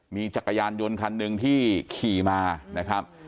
มีจักรยานยนต์คันหนึ่งที่ขี่มานะครับ